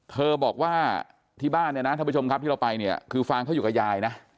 เธอบอกว่าที่บ้านเนี่ยนะท่านผู้ชมครับที่เราไปเนี่ยคือฟางเขาอยู่กับยายนะ